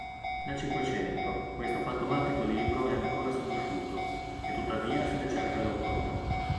Nel Cinquecento, questo fantomatico libro è ancora sconosciuto, e tuttavia se ne cerca l'autore.